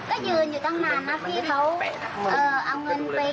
ก็ยังยืนอยู่เฉยไม่มีแบบไม่มีท่านีว่าจะแบบ